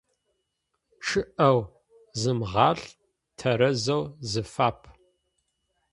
ЧъӀыэ зымгъалӀ, тэрэзэу зыфап.